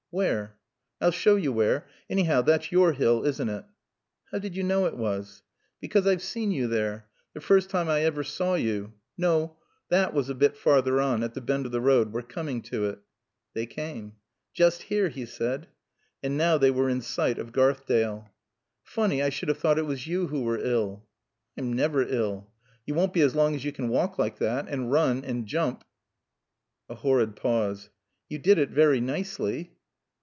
"Where?" "I'll show you where. Anyhow, that's your hill, isn't it?" "How did you know it was?" "Because I've seen you there. The first time I ever saw you No, that was a bit farther on. At the bend of the road. We're coming to it." They came. "Just here," he said. And now they were in sight of Garthdale. "Funny I should have thought it was you who were ill." "I'm never ill." "You won't be as long as you can walk like that. And run. And jump " A horrid pause. "You did it very nicely."